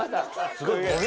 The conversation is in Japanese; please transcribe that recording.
すごい。